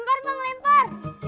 lempar bang lempar